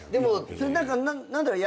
それ何だろう。